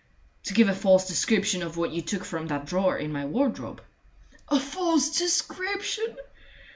"To give a false description of what you took from that drawer in my wardrobe." "A false description!